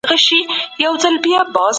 استازي د بېلابېلو ولايتونو څخه راځي.